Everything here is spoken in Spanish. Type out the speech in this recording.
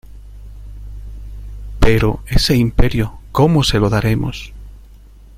¿ pero ese Imperio cómo se lo daremos?